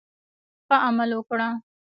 ښه عمل وکړه.